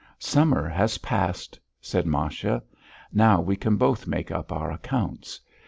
"Summer has passed...." said Masha. "Now we can both make up our accounts.